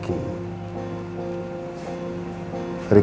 tapi kemarin setelah ketemu dengan ricky